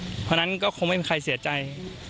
เพราะฉะนั้นก็คงไม่มีใครเสียใจ